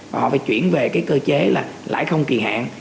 và họ phải chuyển về cái cơ chế là lãi không kỳ hạn